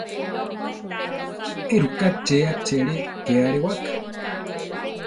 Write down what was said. ¿Éruka tze achere ke arewaka?